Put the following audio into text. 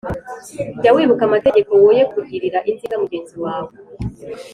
Jya wibuka amategeko, woye kugirira inzika mugenzi wawe,